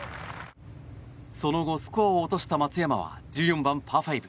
その後、スコアを落とした松山は１４番、パー５。